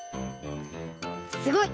すごい！